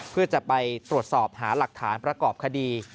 เพื่อจะไปตรวจสอบหาหลักฐานประกอบคดี